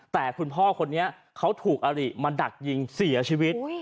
แต่คุณพ่อคนนี้เขาถูกอริมาดักยิงเสียชีวิต